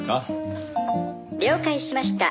「了解しました。